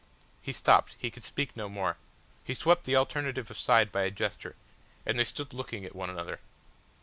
He stopped, he could speak no more, he swept the alternative aside by a gesture, and they stood looking at one another.